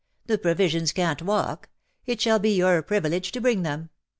^'^The provisions can^t walk. It shall be your privilege to bring tbem.